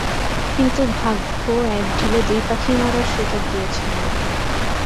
কিন্তু ভাগ্য এক ঢিলে দুই পাখি মারার সুযোগ দিয়েছে আমাকে।